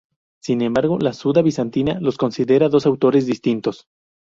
Sin embargo, la Suda bizantina los considera dos autores distintos.